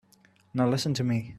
Now listen to me.